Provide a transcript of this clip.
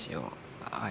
はい。